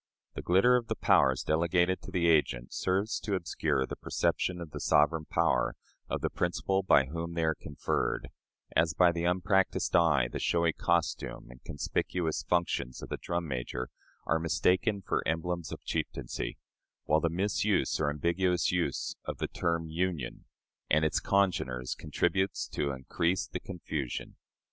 The glitter of the powers delegated to the agent serves to obscure the perception of the sovereign power of the principal by whom they are conferred, as, by the unpracticed eye, the showy costume and conspicuous functions of the drum major are mistaken for emblems of chieftaincy while the misuse or ambiguous use of the term "Union" and its congeners contributes to increase the confusion.